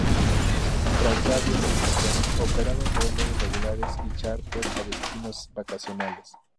Transavia.com operaba vuelos regulares y charter a destinos vacacionales.